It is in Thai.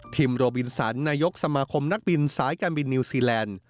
โรบินสันนายกสมาคมนักบินสายการบินนิวซีแลนด์